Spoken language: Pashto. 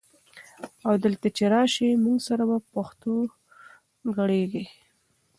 او دلته چې راشي موږ سره به په پښتو ګړېیږي؛